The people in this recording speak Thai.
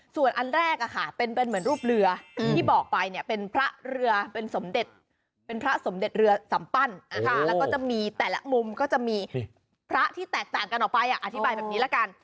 ส่วนอันแรกเป็นเหมือนรูปเรือที่บอกไปเนี่ยเป็นพระเรือเป็นสมเด็จเป็นพระสมเด็จเรือสัมปั้นแล้วก็จะมีแต่ละมุมก็จะมีพระที่แตกต่างกันออกไปอธิบายแบบนี้ละกัน